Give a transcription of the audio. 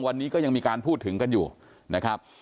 วันนี้ก็ยังมีการพูดถึงกันอยู่นะครับ